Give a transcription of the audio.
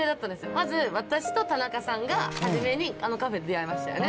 まず私と田中さんが初めにあのカフェで出会いましたね。